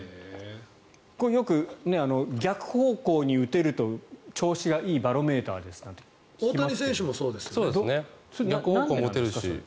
これ、よく逆方向に打てると調子がいいバロメーターとか言いますけど。